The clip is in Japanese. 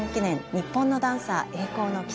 日本のダンサー栄光の軌跡」。